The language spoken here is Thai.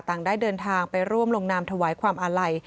ได้เดินทางไปร่วมลงนามถวายความอาลัย